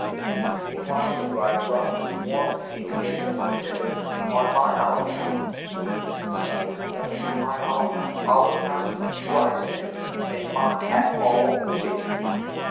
Meanwhile do I run with warm feet hither and thither on mine olive mount: in the sunny corner of mine olive mount do I sing, and mock at all pity.